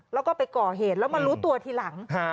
แล้วก็ไปก่อเหตุแล้วมารู้ตัวทีหลัง